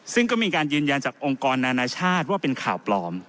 ซึ่งก็มีการยืนยันจากองค์กรนานาชาติว่าเป็นข่าวปลอม